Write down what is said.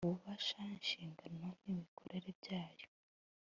ububasha inshingano n imikorere byayo